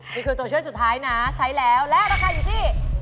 นี่คือตัวเชื่อสุดท้ายนะใช้แล้วแล้วราคาอยู่ที่๕๐